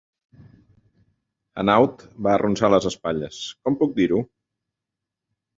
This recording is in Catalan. Hanaud va arronsar les espatller: "Com puc dir-ho?"